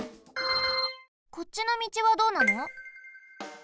こっちのみちはどうなの？